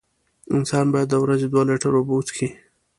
انسان باید د ورځې دوه لېټره اوبه وڅیښي.